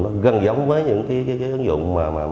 nó gần giống với những cái ứng dụng